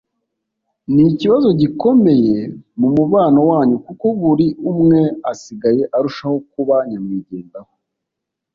ni ikibazo gikomeye mu mubano wanyu kuko buri umwe asigaye arushaho kuba nyamwigendaho.